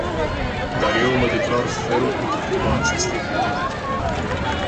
Dar eu mă declar ferm împotriva acestei alegeri.